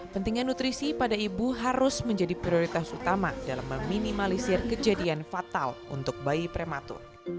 pentingnya nutrisi pada ibu harus menjadi prioritas utama dalam meminimalisir kejadian fatal untuk bayi prematur